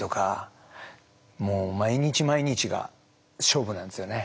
もう毎日毎日が勝負なんですよね。